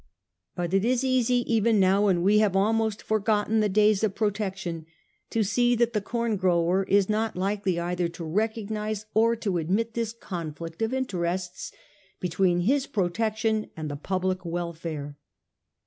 But it is easy even now, when we have almost forgotten the days of protection, to see that the corn grower is not likely either to recognise or to admit this conflict of interests between his protection and the public welfare.